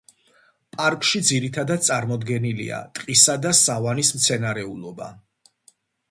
პარკში ძირითადად წარმოდგენილია ტყისა და სავანის მცენარეულობა.